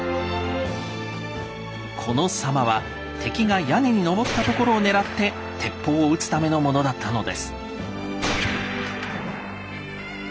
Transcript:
この狭間は敵が屋根に登ったところを狙って鉄砲を撃つためのものだったのです。